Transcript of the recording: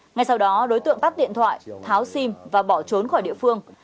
ngay sau đó đối tượng tắt điện thoại tháo sim và bỏ trốn khỏi địa phương